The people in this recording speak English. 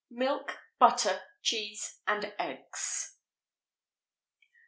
MILK, BUTTER, CHEESE, AND EGGS.